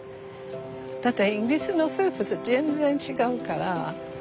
だってイギリスのスープと全然違うから。